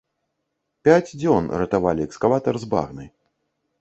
Пяць дзён ратавалі экскаватар з багны.